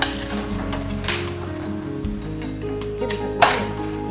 ini bisa sendiri